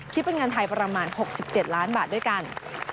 เป็นเงินไทยประมาณ๖๗ล้านบาทด้วยกัน